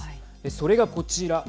それが、こちら。